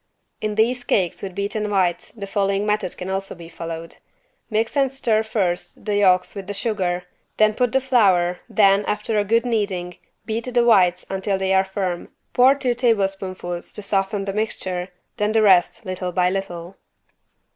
In these cakes with beaten whites the following method can also be followed: mix and stir first the yolks with the sugar, then put the flour then, after a good kneading, beat the whites until they are firm, pour two tablespoonfuls to soften the mixture, then the rest little by little.